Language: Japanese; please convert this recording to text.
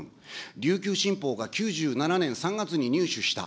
琉球新報が９７年３月に入手した。